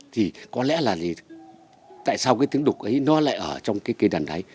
thì có lẽ là tại sao cái tiếng đục ấy nó lại ở trong cây đàn đáy